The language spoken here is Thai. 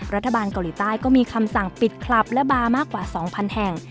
รัฐบาลเกาหลีใต้ก็มีคำสั่งปิดคลับและบาร์มากกว่า๒๐๐แห่ง